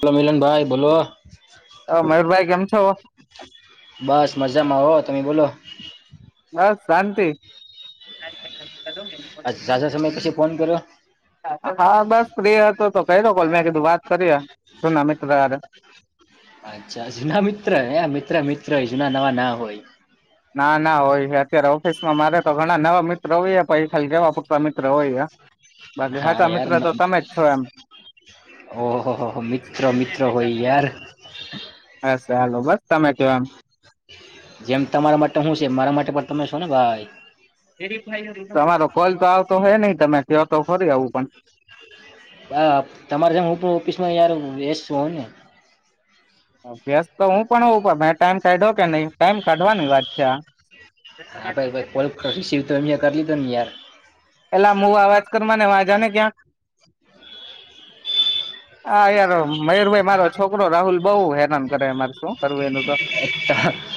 Hello, Milan ભાઈ બોલો. હ મયુરભાઈ કેમ છો બસ મજામા, હો તમે બોલો બસ શાંતિ આ ઝાઝા સમય પછી ફોન કર્યો હા, બસ પ્રિય હતો તો. ક કોલ મેં કીધું વાત કરીએ. જુના મિત્ર હારે અચ્છા જના મિત્ર હૈ મિત્ર મિ ત્ર જૂના નવા ના હોય. ના ના હોય છે અત્યારે ઓફિસ માં મારે તો ઘણા નવા મિત્રો હોય પહી ખાલી કેવા પૂરતા મિત્ર હોય હે બાકી હા હાચા તો યાર મિત્રો ન- તો તમે જ છો એમ ઓહો હો હો, મિત્ર મિત્ર હોય યાર હ. ચાલો બસ તમે કો એમ. જેમ તમારા માટે હું છે મારા માટે પણ તમે છો ને ભાઈ તમારો કોલ તો આવતો હોય નહી તમે ત્યા તો ખરી આવું પણ બા, છો ને. અભ્યાસ તો હું પણ હોઉ પણ મે ટાઈમ કાયઢો કે નહી ટાઈમ કાઢવાની વાત છે આ. હા ભાઈ કોલ રિસીવ અમિયાં કર લીધો ને યાર. પેલા મુવા અવાજ કર મા ને વા જા ને ક્યાં હા યાર મયુરભાઈ મારો છોકરો રાહુલ બઉુ હેરાન કરે મારે શું કરવું એનું તો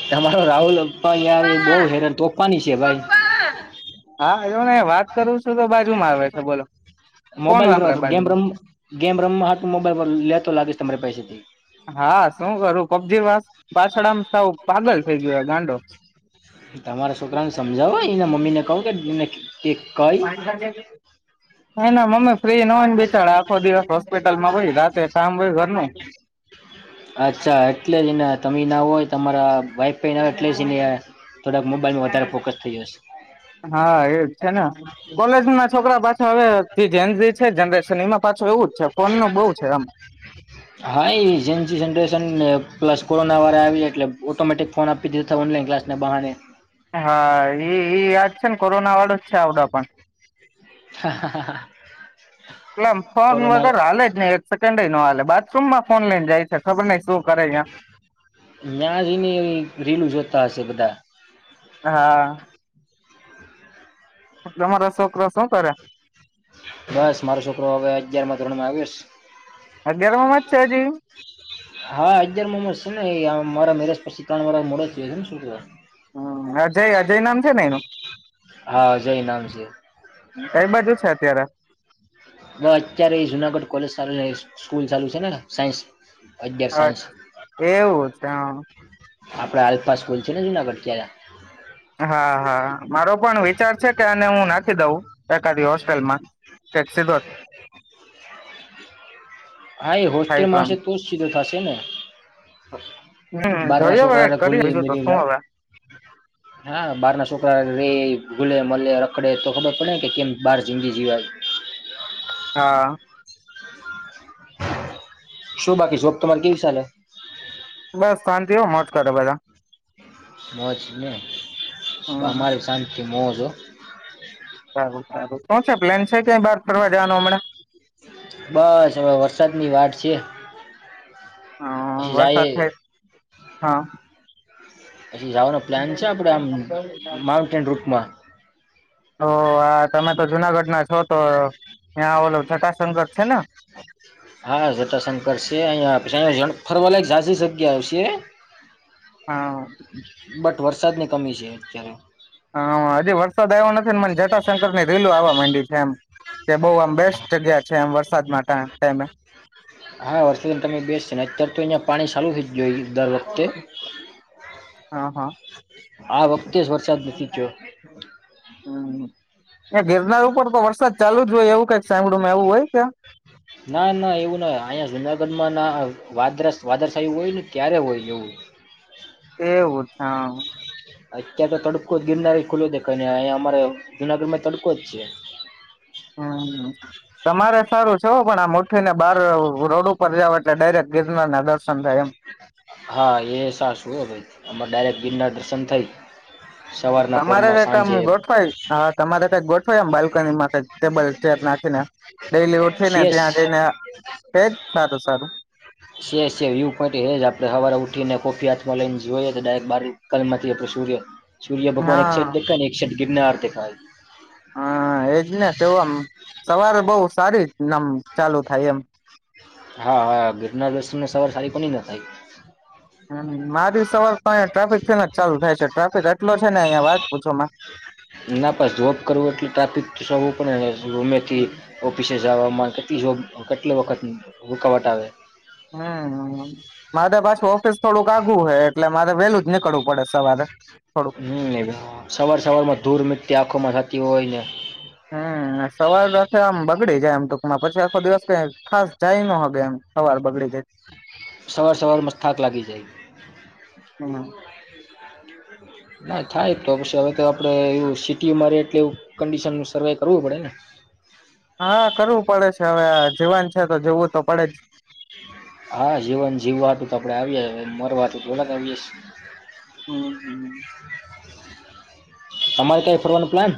તમારો રાહુલ અપ્પા યાર બહુ હેરાન તોફાની છે ભાઈ હા જો ને વાત કરું છું તો બાજુ માં આવે છે બોલો ફોન મોબાઈલ વાપરે પર ગેમ બાજુમાં રમ ગેમ રમહા હાટુ મોબાઈલ પર લેતો લાગેશ તમારે પસેથી હા શું કરું પબજી પાછ પાછળ આમ સાવ પાગલ થઇ ગયો ગાંડો તમારા છોકરાને સમજાવો એ મમ્મી ને કહું કેને કેક કઈ [inaudible] એ ના મમ્મી ફ્રી ના હોય ને બેચાર આખો દિવસ હોસ્પિટલમાં હોય રાતે કામ હોય ઘરનું અચ્છા એટલે જને તમે ના હોય તમારા વાઈફાઈ ન એટલે જને થોડાક મોબાઈલમાં વધારે ફોકસ થઈ જશે હા એજ છે ને કોલેજ ના છોકરા પાછા હવે જેન્ઞી છે. જનરેશન એમાં પાછો એવું જ છે, ફોન ન બઉુ છે એમ હા એ જેન્ઞી જનરેશન. કોરોના વારા આવી જાય એટલે ઓટોમેટિક ફોન આપી દીધા ઓનલાઈન ક્લાસના બહાણે હા ઈ ઉ વાત છે ને કોરોના વાળું જ છે આવડા પણ હા હા હા હા. ફોન વગેર હાલે જ ન એક સેકન્ડ. લે બાથરૂમ માં ફોન લઈને જાય છે ખબર નઈ શું કરે યા નયા જઈને રીલું જોતા હશે બધા હા. તમારા છોકરા શું કરે? બસ મારો છોકરો હવે અગિયારમાં ધોરણ માં આવ્યોસ અગયાર મોમ જ છે હજી હા અગિયાર મામા જ છે ને એ મારા મેરેજ પછી ત્રણ વ રહ મોડો થયો ને છોકરો હ અજય અજય નામ છે ને એનું? હા જય નામ છે કઈ બાજુ છે અત્યારે? અત્યારે એ જુનાગઢ કોલેજ સ્કૂલ ચાલુ છે ને સાયન્સ અગિયાર અ સાયન્સ એવું છે. આપડે આલ્ફા સ્કૂલ છે ને જુનાગઢ ત્યા હા હા મારો પણ વિચાર છે કે આને હું નાખી દઉં એકાદી હોસ્ટેલમાં. [unintelligible] હા એ થાય હોસ્ટેલમાં એમ હશે તો જ સીધો થશે ને. હમ બાર ના જોઈએ હવે છોકરાઓને કરીએ ઘુલી બીજું તો શું હવે [unintelligible] હા બાર ના છોકરા હારે રે ગૂલે મલે રખડે તો ખબર પડે કે કેમ બહાર જિંદગી જીવાય. હા. શું બાકી જોબ તમારી કેવી ચાલે બસ શાંતિ હો મોજ કરે બધા મોજ ને હમ અમારી શાંતિ મોજ સારું સારું શું છે પ્લેન છે કે બાર ફરવા જવાનું હમણાં? બસ હવે વરસાદની વાત છીએ અ પછી વરસાદ જાયે થાય હા. પછી જવાનો પ્લાન છે, આપણેે આમ માઉન્ટેન રૂટમાં તો આ તમે તો જુનાગઢ ના છો તો ત્યાં ઓલો જટાસંગત છે ને હા જટાશંકર છે, અહિયાયા આપ છે, અંયત ફરવા લાયક ઝાજી જગ્યા આવશે હા. બટ વરસાદની કમી છે, અત્યારે હા હજી વરસાદ આવ્યો નથી ને મને જટાશંકરની રીલું આવવા માંડી છે, એમ કે બોવ આમ બેસ્ટ જગ્યા છે એમ વરસાદ માટે ટાઈમે હા વરસાદ તમે બેસ છે, ને અત્યાર તો અહીયા પાણી ચાલુ થઈ જ જુ દર વખતે હા હા આ વખતે જ વરસાદ નથી જોયો હમ એ ગિરનાર ઉપર તો વરસાદ ચાલુ જ હોય એવું કઈક સામળુંમાં એવું હોય કે? ના ના એવું ના અહીંયા જુનાગઢમાં ના વાદ્રરસ વાદળશાયું હોય ને ત્યારે હોય એવું એવું અચછા હા અત્યારે તો તડકો જ ગિરનાર ખુલ્યો દેખાય ને અહીંયા અમારે જુનાગઢમાં તડકો જ છે. હમ તમારે સારું છે, હ પણ આમ ઉઠીને બાર રોડ ઉપર જાવ એટલે ડાયરેક્ટ ગિરનારના દર્શન થાય એમ હા એ સાચું હવે અમારે ડાયરેક ગીરનાર દર્શન થઈ સવારના તમારે પોરમાં કઈક અમ સાંજે ગોઠવાઈ હા તમારે કઈક ગોઠ વાઈ એમ બાલ્કનીમાં ટેબલ ચેર નાખીને ડેલી ઉઠીને સીએસ ત્યાં જઈને એજ સારું સારું સે સે વ્યુ પોઈન્ટ હે જ આપણે સવારે ઉઠીને કોફી હાથમાં લઈને જોઈએ તો ડાયરેક બાર કલમમાંથી આપણે સૂ ર્ય સૂર્ય ભગવાન એક હા સાઇડ દેખાય ને એક સાઈડ ગિરનાર દેખાય હમ એજને કેવુ એમ સવારે બોવ સારી નામ ચાલુ થાય એમ હા હા ગિરનાર દર્શનને સવાર સારી કોની ન થાય મારી સવાર તો અહીયા ટ્રાફિકથી જ ચાલુ થાય છે, ટ્રાફિક એટલો છે, ને અંયા વાત પૂછો માં ના પાણ જોબ કરવું એટલે ટ્રાફિક તો જવું પડે ગમેથી ઓફિસે જવામાં કેટલી જોબ કેટલી વખત રૂકાવટ આવે હમ મારે પાછું ઓફિસ થોડુંક આાગું હે એટલે મારે વેલું નીકળવું પડે સવારે થોડુંક હમ સવાર સવારમાં ધૂર મિટ્ટી આંખમાં જાતી હોય ને હમ ને સવાર આમ બગડી જાય એમ ટુકમાં પછી આખો દિવસ કંઈ ખાસ જાય ન હકે એમ સવાર બગડી જઈ સવાર સવારમાં થાક લાગી જાય. હમ. ના થાય તો પછી હવે તો આપડે એવુ સિટીમાં રે એટલે એવું કંડિશન સર્વે કરવું પડે ને હા કરવું પડે છે, હવે જવાન છે, તો જોવું તો પડે જ હા જીવન જીવવા હતું તો આપડે આવીએ મરવા હતું તો પેલા જ આવી જ [inaudible] તમારે કઈ ફરવાનું પ્લાન?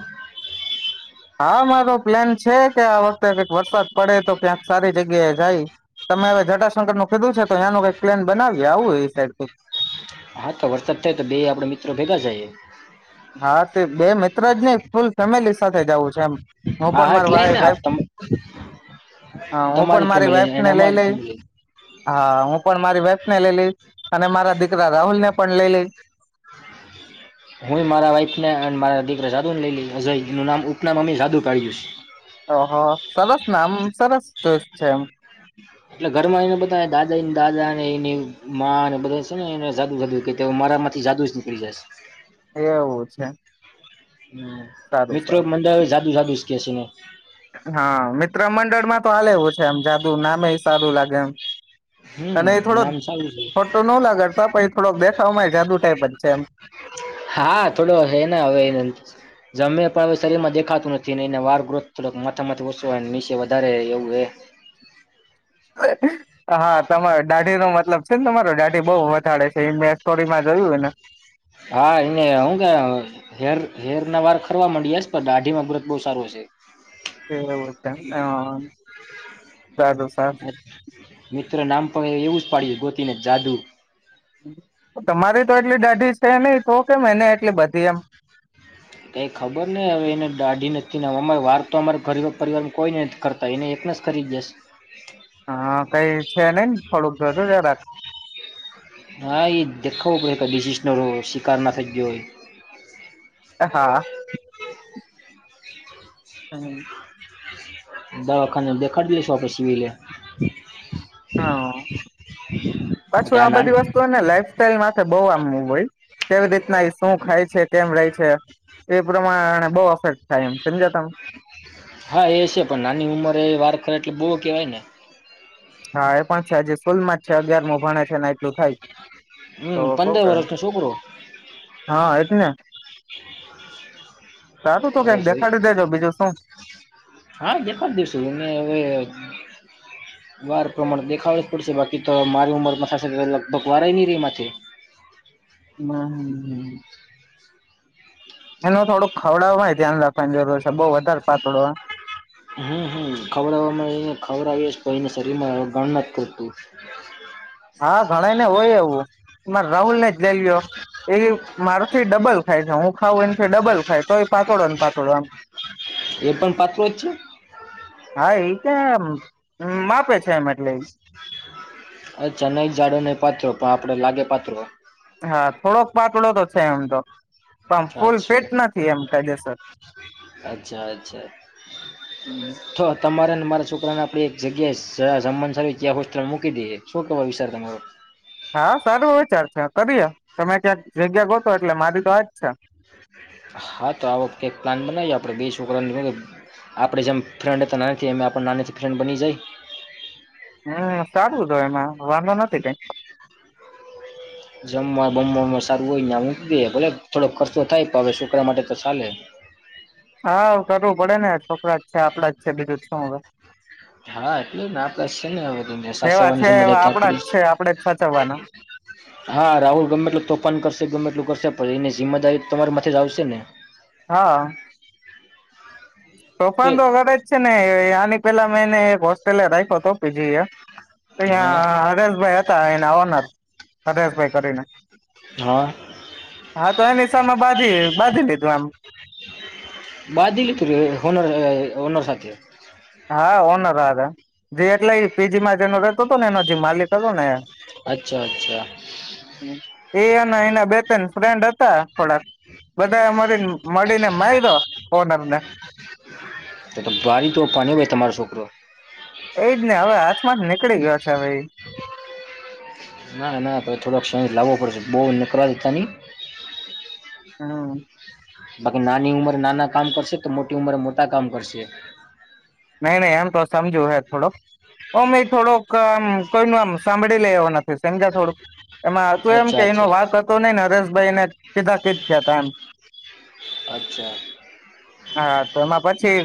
હા મારો પ્લેન છે કે આ વખતે કઈક વરસાદ પડે તો ક્યાંક સારી જગ્યાએ જાય તમે હવે જટાશંકરનું કીધું છે, તો અંયાનુ કઈક પ્લેન બનાવીએ આવું એ સાઈડ કઈક. હા, તો વરસાદ થાય. તો બે આપડ મિત્રો ભેગા થાય હા, તે બે મિત્ર જ નહી. ફૂલ ફેમિલી સાથે જવું છે. એમ હું હા પણ હા માર એટલે ને વા આપ વાફ તમ તમારી મારી વાઈફ ફેમિલીને, અને ને લઈ અમારી લઈ ફેમિલી હા, હું પણ મારી વાફ ને લઈ લઈશ અને મારા દીકરા રાહુલ ને પણ લઈ, લ [inaudible] હુ, મારા વાઈઇફ, ને અને મારા દીકરા સાદુ ને લઈ લ અજય એનું નામ ઉપનામી જાદુ કાઢ્યું છે. ઓહ સરસના આમ, સરસ ચઈસ છે. એમ એટલે ઘરમા એને બધા દાદા દાદા ને એની મા અને બધા છે, ને એને સાદુ સાદુ કે મા માંથી જાદુ જ નીકળી જાય છે. એવું છે. હ સારું મિત્રો, સારું મંદા જાદુ, જાદુ જ કેસી ને. હા હો, નામે સારું લાગે એમ. અને એ હમ થોડોક, નામ સારું છે ફોટો ન લાગાતા પણ એ થોડોક દેખાવામાંય જાદુ ટાઈપ જ છે, એમ હા, થોડો હને હવે જમે. હવે, શરીરમાં દેખાતું નથી. હીને વાર ગ્રોથ થોડક મથા મ વસો નીચે વધારે એવું એ [inaudible] હ હા, તમારો દાઢી નો મતલબ છેને, તમારો દાઢી બહુ વધારેે છે, એ મેં સ્ટોરીમાં જોયું ને હા, એને હું કે હેર હેર, ના વાર ખરવા માંડી્યા છે. પણ દાઢીમાં વ્રત બહુ સારું છે. એવું છેધુ, સાબ મિત્ર નામ પણ એવુજ પાડી્યું ગોતી, ને જાદુ તમારી તો એટલી દાઢી છે, નહી. તો કેમ એને એટલી બધી એમ કઈ ખબર નને હવે એને દાઢી નથી. અમારે વાર તો અમારા ઘરી પરિવાર કોઈ નથી કરતા એને સ ખ કરી, જ જશે. હા, કઈ છે. નહીને થોડુંક જો, તો રાખ હા, એ દેખાવું પડે ડિઝિસ નરો શિકાર ના થઈ ગયો હોય. આ હા હમ્મ. દા એખન દખર દ છ, આપ આપ સિવિ લે હા પાછું આ, બધી વસ્તુને લાઈ હોલ, બઉુ આમું હોય કેવી રીતના એ શું ખાય છે, કેમ રે છે. એ પ્રમાણે બહ, અસર થાય એમ સમજાતા હા, એ છે, પણ નાની ઉંમર એ વાર ખરે એટલે બહુ કેવાય ને હા એ પણ છે, આજે સ્કૂલમા જ છે, અગિયાર મો ભાણે છે, ને એટલું થાય તો હમ બ પંદર ક વર્ષનો છોકરો હા ને ચારુ, તો હવે કઈક જોઈ દેખાડી દેજો બીજુ શુ હા, જે પણ દિવસોને હવે. વાર, પ્રમાણ દેખાુજ પડશે બાકી, તો મારી ઉંમરમા થશે, લગભગ વારય નહી, રે એમાંથી ના, હ હ એનું થોડુંક ખવડાવવાવામાં ધ્યાન રાખવાની જરૂર છે, બહ વધારે પાતળો હમ, હમ ખવડાવવા ખવરાવ તો એને શરીરમાં ગણ નથી, કરતું હા ઘણા ને હોય એવું મારે રાહુલ ને જ લઈ લ્યો હ હુ, ખાવું એને ડબલ ખાય તોય પાતળો ને પાતળો આમ એ પણ પાત્રો જ છે. હા, એ ત માપે છે, એમ એટલે અચ્છા નઈ, જાાડો નહં પાથરો પણ આપડે લાગે પાથ હા થોડોક પાતળો તો છે એમ તો. પણ ફૂલ ફિટ અચ્છા નથી એમ કાયદે સર. અચ્છા અચ્છા તો તમારે ને મારા છોકરાને આપડી એક સા જગ્યાએ જમન ત્યાં હોસ્ટેલ મૂકી દઈ શું કેવા વિચાર તમારો. હા સારો વિચાર છે કરીએ તમે ક્યાંક જગ્યા ગોતો એટલે મારી તો હજ જ છે. હા તો આ વખતે એક પ્લાન બનાવીએ આપણે બે છોકરા [unintelligible] આપણેે જેમ ફ્રેન્ડ હતાની એ આપ નાનીથી ફ્રેન્ડ બની જાય. હમ્મ સારું તો એમાં વાંધો નથી કંઈક. જમવા બમવામ સારું હોય ને હુંલે થોડો ખર્ચો થાય પણ હવે છોકરા માટે તો ચાલે. હા કરવું પડે ને છોકરા જ છે આપડા જ છે બીજું જ શું હવે. આપડા છે ને વધુ મેં સા જેવા છે સવાની મદ એવા આપડા જ છે આપડે જ સાચવવાના [unintelligible] હા રાહુલ ગમે તેટલુ તોફાન કરશે ગમે તેટલુ કરશે પણ એની જિમ્મેદારી તમારી માથે જ આવશે ને. હા. તોફાન તો ઘરે જ છે ને આની પેલા મેં એને એક હોસ્ટેલ રાખ્યો હતો પી જી એ ની હં હા હરેશભાઈ હતા એના ઓનર હરેશભાઈ કરીને. હા હા તો એની સામે બાંધી બાંધી લીધું આમ બાદી [unintelligible] તું ર હોનર હોનર સાથે. હા ઓનરા હાથે. જે એટલે એ પીજી માં જેનો રતો હતો ને એનો જે માલિક હતો ને અચ્છા અચ્છા એ અને એના બે ત્રણ ફ્રેન્ડ હતા થોડાક બધા મળીને મળીને માયરો ઓનર ને. તો તો તારી તો તમારો છોકરો એજ ને હવે હાથમાંથી નીકળી ગયો છે હવે એ. ના ના તો થોડોક સમણ લાવવો પડશે બો [unintelligible] ની. હમ્મ. બાકી નાની ઉંમર નાના કામ કરશે તો મોટી ઉંમર મોટા કામ કરશે. નહી નહી એમ તો સમજું હે થોડાક અમે થોડોક આમ કોઈ નો આમ સાંભળી લેવાના [unintelligible] થોડુંક એમાં હતું એમ અચ્છા કે એનો અચ્છા વાક હતો નઈને હરેશભાઈ ને કીધા કીદ થયા હતા કામ અચ્છા હા તો એમાં પછી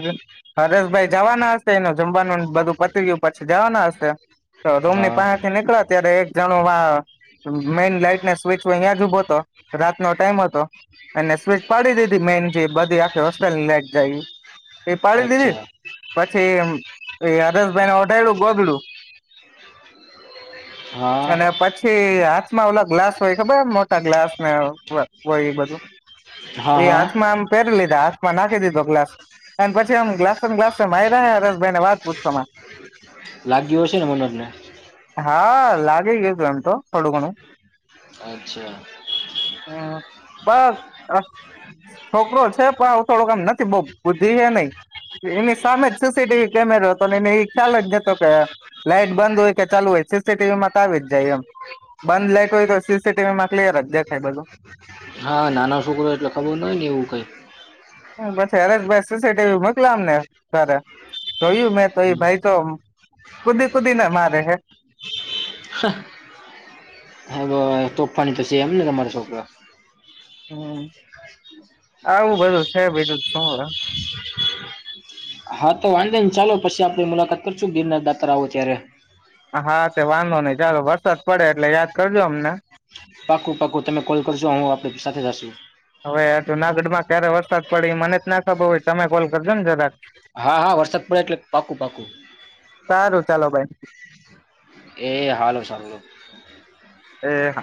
હરેશભાઈ જવાના હશે એનું જમવાનું બધું પતી ગયું પછી જવાના હશે. તો રૂમ ની હા પાહે થી નીકળ્યા ત્યારે એક જાણો વા મેન લાઈટને સ્વિચ અહિયાં જ ઉભો હતો રાતનો ટાઈમ હતો ને ને સ્વીચ પાડી દીધી મેન જે બધી આખે હોસ્ટલની લાઈટ એ જાય એ પાડી દીધી અચ્છા પછીએમ એ આદર્શભાઈને ઓઢાડ્યું ગોગડું હા અને પછી હાથમાં ઓલા ગ્લાસ હોય ખબર મોટા ગ્લાસ ને હોય એ બધું હા એ હા હાથમાં આમ પહેરી લીધા હાથમાં નાખી દીધો ગ્લાસ અને પછી આમ ગ્લાસમ ગ્લાસ માયરા હરેશભાઈ ને વાત પૂછવામાં લાગ્યું હશે ને મનોજને હા લાગી ગયુંતું એમ તો થોડું ઘણું અચ્છા હમ્મ બસ. છોકરો છે પણ આવું થોડુંકમ નથી બઉ બુદ્ધિ હે નય એની સામે સી સી ટી વી કેમેરો હતો ને એ ખ્યાલ જ જતો કયા લાઈટ બંધ હોય કે ચાલુ હોય સી સી ટી વી માં તો આવી જ જાય એમ. બંધ લાઈટ હોય તો સી સી ટી વી માં ક્લિયર જ દેખાય બધું. હા નાનો છોકરો એટલે ખબર ન હોય ને એવું કંઈ પણ પછી હરેશભાઈ સી સી ટી વી મોકલામને તારે જોયું મે તો એ ભાઈ તો કુદી કુદી ના મારે હે હા આ બો તોફાની તો છે એમ ને તમારા છોકરા. હમ આવું બધું છે બીજું સર હા તો વાંધે ને ચાલો પછી આપણે મુલાકાત કરશું ગિરના દાતરા ઓ જ્યારે હા તે વાંધો નહી ચાલો વરસાદ પડે એટલે યાદ કરજો અમને પાકું પાકું તમે કોલ કરશો હું આપડે સાથે જશું હવે જુનાગઢમાં ક્યારે વરસાદ પડે મને જ ના ખબર હો તમે કોલ કરજો ને જરાક હા હા વરસાદ પડે એટલે પાકું પાકું સારું ચાલો ભાઈ એ હાલો સવ લોક એ